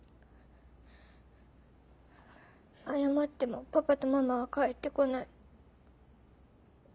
謝ってもパパとママは帰ってこない。